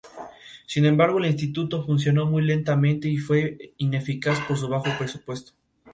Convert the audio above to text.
Sin embargo el Instituto funcionó muy lentamente, y fue ineficaz por su bajo presupuesto.